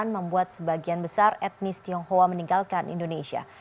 membuat sebagian besar etnis tionghoa meninggalkan indonesia